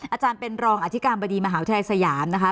อาจารย์เป็นรองอธิการบดีมหาวิทยาลัยสยามนะคะ